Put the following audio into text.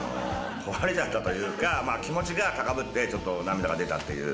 壊れちゃったというか気持ちが高ぶってちょっと涙が出たっていう。